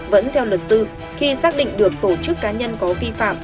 vẫn theo luật sư khi xác định được tổ chức cá nhân có vi phạm